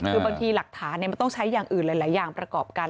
คือบางทีหลักฐานมันต้องใช้อย่างอื่นหลายอย่างประกอบกัน